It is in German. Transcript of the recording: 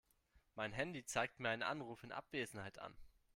Mein Handy zeigt mir einen Anruf in Abwesenheit an.